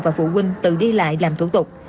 và phụ huynh tự đi lại làm thủ tục